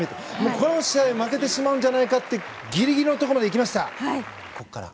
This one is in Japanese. この試合負けてしまうんじゃないかとギリギリのところまでいきました。